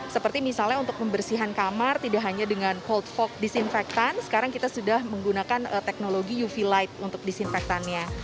seperti misalnya untuk pembersihan kamar tidak hanya dengan hold fox disinfektan sekarang kita sudah menggunakan teknologi uv light untuk disinfektannya